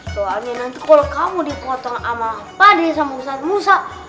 soalnya nanti kalau kamu dikotong sama apa deh sama ustadz musa